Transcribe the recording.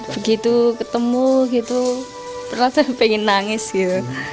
begitu ketemu gitu perasaan pengen nangis gitu